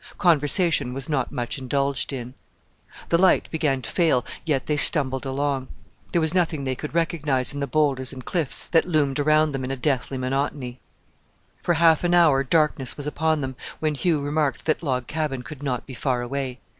Conversation was not much indulged in. The light began to fail, yet they stumbled along. There was nothing they could recognize in the boulders and cliffs that loomed around them in a deathly monotony. For half an hour darkness was upon them, when Hugh remarked that Log Cabin could not be far away.